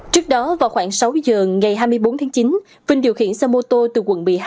trước đó vào khoảng sáu giờ ngày hai mươi bốn tháng chín vinh điều khiển xe mô tô từ quận một mươi hai